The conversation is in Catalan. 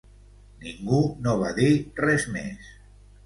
Ningú no va dir res més.